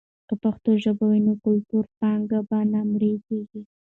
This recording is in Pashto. که پښتو ژبه وي، نو کلتوري پانګه به نه مړېږي.